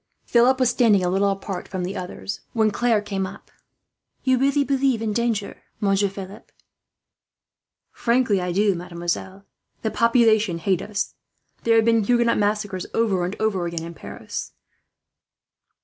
Philip was standing a little apart from the others, when Claire came up to him. "You really believe in danger, Monsieur Philip?" "Frankly I do, mademoiselle. The population hate us. There have been Huguenot massacres over and over again in Paris.